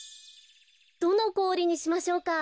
どのこおりにしましょうか。